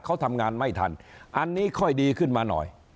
เขาทำงานไม่ทันอันนี้ค่อยดีขึ้นมาหน่อย